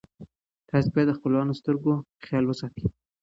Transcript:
تاسي باید د خپلو سترګو خیال وساتئ.